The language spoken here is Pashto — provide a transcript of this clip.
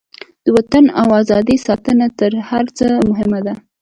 د وطن او ازادۍ ساتنه تر هر څه مهمه ده.